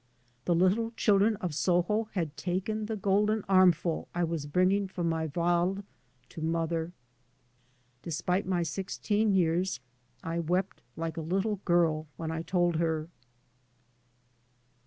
The little children of Soho had taken the golden arm ful I was bringing from my " wald " to mother. De spite my sixteen years I wept like a little girl when I told her.